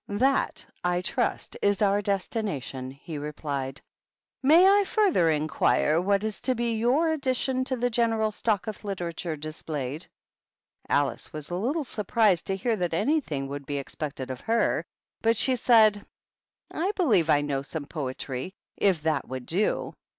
" That, I trust, is our destination," he replied. " May I further inquire what is to be your addi tion to the general stock of literature displayed ?" Alice was a little surprised to hear that any thing would be expected of her, but she said, "I believe I know some poetry, if that would do."